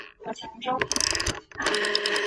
然而赵昂的儿子赵月结果还是被马超所杀。